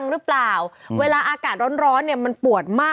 พี่หนุ่มบอกว่าพี่หนุ่มบอกว่าพี่หนุ่มบอกว่าพี่หนุ่มบอกว่า